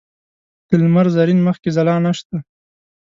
د لمر زرین مخ کې ځلا نشته